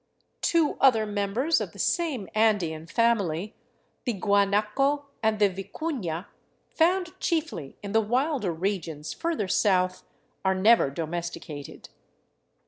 Two other members of the ?atne Andean family, the guanaco and the vicuna, found chiefly in the wilder regions further south, are never domesticated.